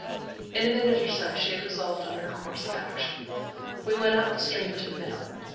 In a minute or so she had resolved on her course of action. We went up the stream to the mill.